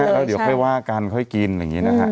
แล้วเดี๋ยวค่อยว่ากันค่อยกินอย่างนี้นะฮะ